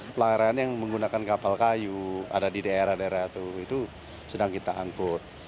pelayaran yang menggunakan kapal kayu ada di daerah daerah itu sedang kita angkut